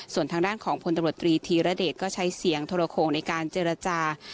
ส่วนทางด้านของพลตำรวจตรีธีรเดชก็ใช้เสียงโทรโคงในการเจรจา